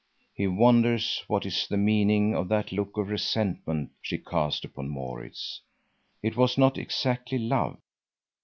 He wonders what is the meaning of that look of resentment she casts upon Maurits. It was not exactly love.